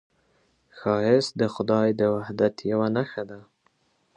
ښایست د خدای د وحدت یوه نښه ده